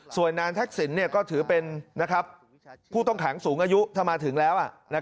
ส่วนนายทักษิณก็ถือเป็นผู้ต้องขังสูงอายุถ้ามาถึงแล้ว